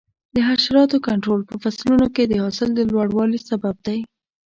د حشراتو کنټرول په فصلونو کې د حاصل د لوړوالي سبب دی.